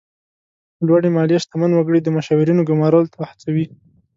لوړې مالیې شتمن وګړي د مشاورینو ګمارلو ته هڅوي.